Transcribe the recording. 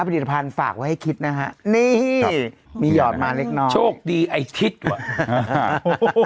ผลิตภัณฑ์ฝากไว้ให้คิดนะฮะนี่มีหยอดมาเล็กน้อยโชคดีไอ้ทิศว่ะ